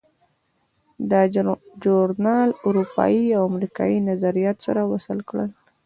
دا ژورنال اروپایي او امریکایي نظریات سره وصل کړل.